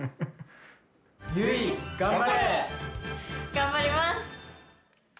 頑張ります！